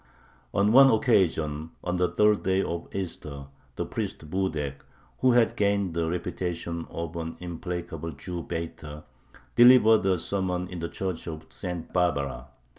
On one occasion, on the third day of Easter, the priest Budek, who had gained the reputation of an implacable Jew baiter, delivered a sermon in the Church of St. Barbara.